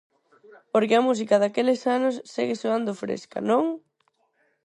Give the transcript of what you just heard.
Porque a música daqueles anos segue soando fresca, non?